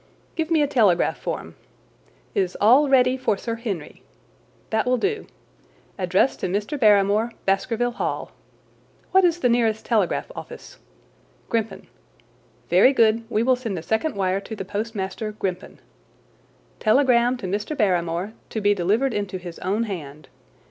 "Give me a telegraph form. 'Is all ready for Sir Henry?' That will do. Address to Mr. Barrymore, Baskerville Hall. What is the nearest telegraph office? Grimpen. Very good, we will send a second wire to the postmaster, Grimpen: 'Telegram to Mr. Barrymore to be delivered into his own hand.